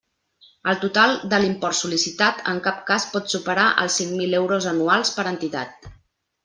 El total de l'import sol·licitat en cap cas pot superar els cinc mil euros anuals per entitat.